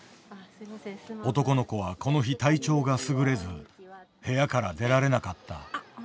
男の子はこの日体調がすぐれず部屋から出られなかった。